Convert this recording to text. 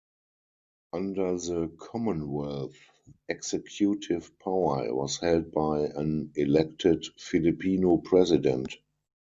Under the Commonwealth, executive power was held by an elected Filipino President.